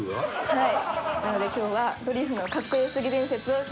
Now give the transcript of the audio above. はい。